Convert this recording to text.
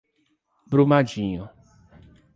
Brumadinho